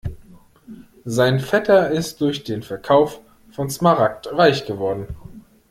Sein Vetter ist durch den Verkauf von Smaragd reich geworden.